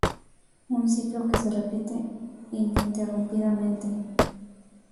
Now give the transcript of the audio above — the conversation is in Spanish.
Un ciclo que se repite ininterrumpidamente.